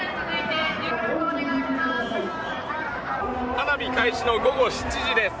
花火開始の夜７時です。